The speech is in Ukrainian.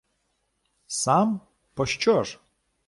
— Сам? Пощо ж?